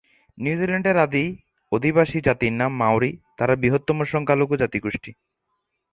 নিউজিল্যান্ডের আদি অধিবাসী জাতির নাম মাওরি; তারা বৃহত্তম সংখ্যালঘু জাতিগোষ্ঠী।